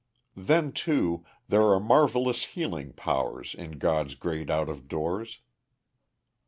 Then, too, there are marvelous healing powers in God's great out of doors.